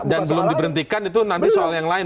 dan belum diberhentikan itu nanti soal yang lain